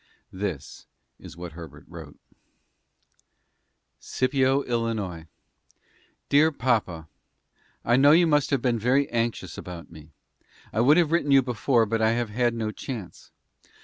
This is what Herbert wrote: "Scipio, ILL. "DEAR PAPA: I know you must have been very anxious about me. I would have written you before, but I have had no chance.